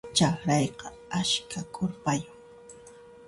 Chakrayqa askha k'urpayuq.